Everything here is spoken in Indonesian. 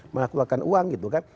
melakukan uang gitu kan